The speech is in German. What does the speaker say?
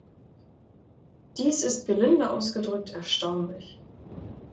Dies ist gelinde ausgedrückt erstaunlich.